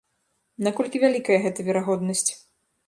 Наколькі вялікая гэтая верагоднасць?